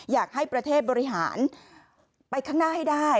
อยากให้ประเทศบริหารไปข้างหน้าให้ได้